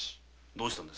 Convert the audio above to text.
どうした？